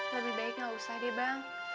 lebih baik gak usah deh bang